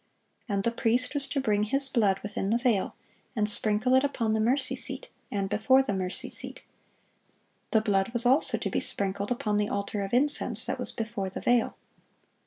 And the priest was to bring his blood within the veil, and sprinkle it upon the mercy seat, and before the mercy seat. The blood was also to be sprinkled upon the altar of incense, that was before the veil.